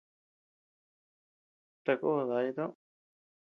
Takó daya toʼö.